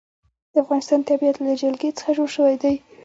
د افغانستان طبیعت له جلګه څخه جوړ شوی دی.